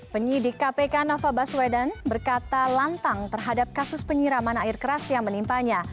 penyidik kpk nova baswedan berkata lantang terhadap kasus penyiraman air keras yang menimpanya